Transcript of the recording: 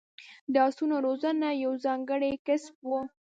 د اسونو روزنه یو ځانګړی کسب و